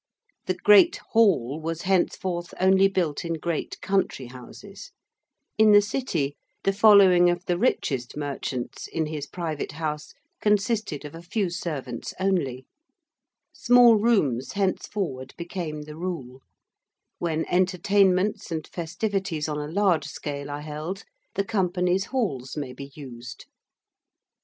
The great hall was henceforth only built in great country houses: in the City the following of the richest merchants, in his private house, consisted of a few servants only; small rooms henceforward became the rule: when entertainments and festivities on a large scale are held, the Companies' Halls may be used.